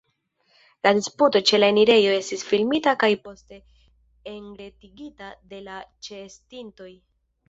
La disputo ĉe la enirejo estis filmita kaj poste enretigita de la ĉeestintoj.